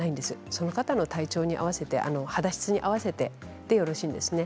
その方の体調に合わせて肌質に合わせてでよろしいですね。